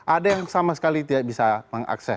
ada yang sama sekali tidak bisa mengakses